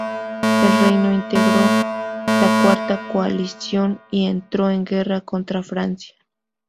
El reino integró la Cuarta Coalición y entró en guerra contra Francia.